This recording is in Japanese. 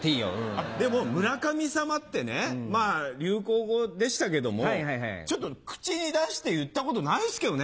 あっでも「村神様」ってね流行語でしたけども口に出して言ったことないですけどね